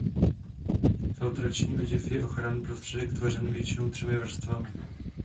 Filtrační oděv je ochranný prostředek tvořený většinou třemi vrstvami.